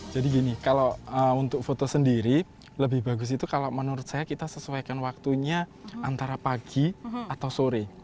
jadi gini kalau untuk foto sendiri lebih bagus itu kalau menurut saya kita sesuaikan waktunya antara pagi atau sore